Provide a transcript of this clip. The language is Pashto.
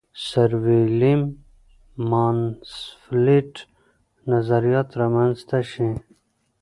سرویلیم مانسفیلډ نظریات را منځته شي.